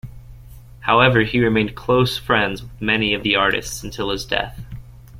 However, he remained close friends with many of the artists until his death.